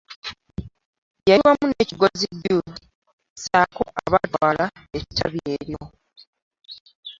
Yali wamu ne Kigozi Jude ssaako abatwala ettabi eryo.